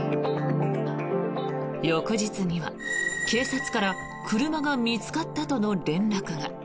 翌日には警察から車が見つかったとの連絡が。